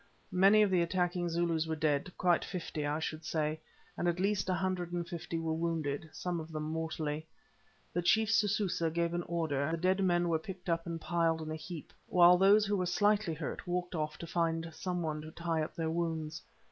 Many of the attacking Zulus were dead—quite fifty I should say, and at least a hundred and fifty were wounded, some of them mortally. The chief Sususa gave an order, the dead men were picked up and piled in a heap, while those who were slightly hurt walked off to find some one to tie up their wounds.